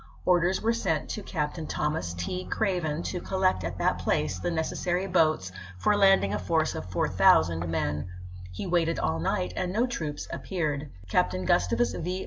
Orders were sent to Captain Thomas T. Craven to collect at that place the neces sary boats for landing a force of 4000 men. He waited all night and no troops appeared. Captain Gustavus V.